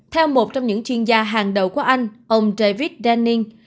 theo một trong những chuyên gia hàng đầu của anh ông david denning